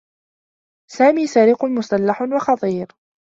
سامي سارق مسلّح و خطير.